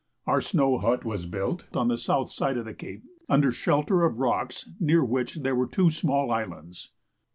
Our snow hut was built on the south side of the cape, under shelter of rocks, near which there were two small islands.